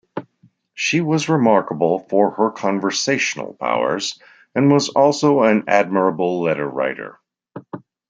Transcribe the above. She was remarkable for her conversational powers, and was also an admirable letter-writer.